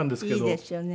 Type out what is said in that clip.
いいですよね。